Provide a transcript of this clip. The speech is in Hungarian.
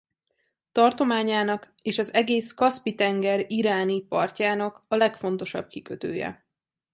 Tartományának és az egész Kaszpi-tenger iráni partjának a legfontosabb kikötője.